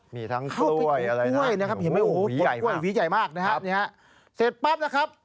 มีทั้งกล้วยอะไรนะครับโหหวีใหญ่มากนะครับนี่ครับเสร็จปั๊บนะครับ